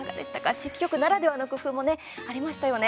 地域局ならではの工夫もねありましたよね。